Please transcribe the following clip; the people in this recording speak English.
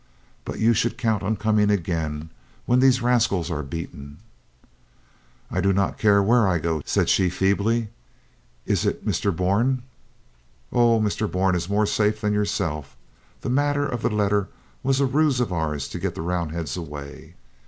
"But you should count on coming again when these rascals are beaten." "I do not care where I go," said she feebly. "It is Mr. Bourne." "Oh! Mr. Bourne is more safe than yourself. * That matter of the letter was a ruse of ours to get the Roundheads away."